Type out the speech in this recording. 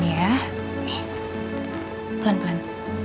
nih pelan pelan